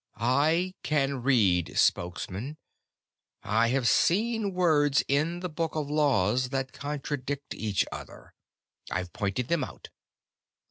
"I can read, Spokesman. I have seen words in the Book of Laws that contradict each other. I've pointed them out.